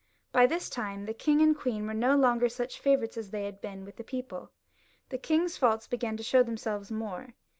By this time the king and queen were no longer such favourites as they had been with the people. The king^s faults began to show themselves more.